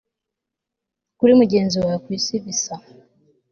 Kuri mugenzi wawe ku isi bisa